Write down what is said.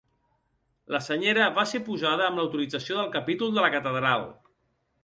La senyera va ser posada amb l’autorització del capítol de la catedral.